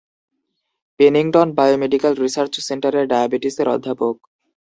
Pennington biomedical research সেন্টারের ডায়াবেটিসের অধ্যাপক।